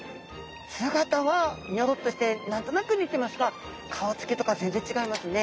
姿はニョロッとして何となくにてますが顔つきとかぜんぜん違いますね。